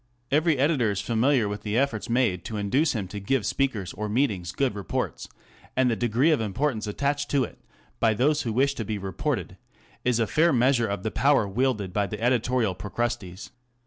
Every editor is familiar with the efforts made to induce him to give speakers or meetings good reports, and the degree of importance attached to it by those who wish to be reported is a fair measure of the power wielded by the editorial Procrustes.